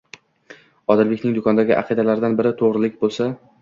Odilbekning do'kondagi aqidalaridan biri to'g'rilik bo'lsa